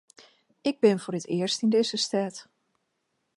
Ik bin foar it earst yn dizze stêd.